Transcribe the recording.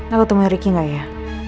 aku temuin riki enggak ya